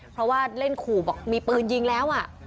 เพราะว่าเล่นขู่บอกมีปืนยิงแล้ว